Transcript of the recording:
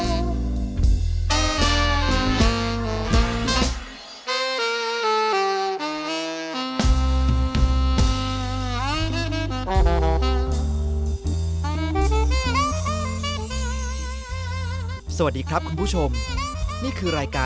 เมื่อเวลาเมื่อเวลา